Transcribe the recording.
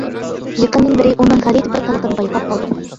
يېقىندىن بېرى ئۇنىڭ غەلىتە بىر قىلىقىنى بايقاپ قالدۇق.